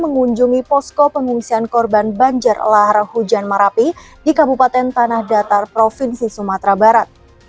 mengunjungi posko pengungsian korban banjir lahar hujan marapi di kabupaten tanah datar provinsi sumatera barat